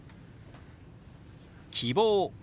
「希望」。